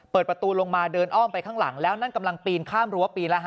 เปิดประตูลงมาเดินอ้อมไปข้างหลังแล้วนั่นกำลังปีนข้ามรั้วปีละ๕